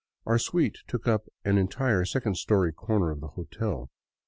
Our suite took up an entire second story corner of the hotel.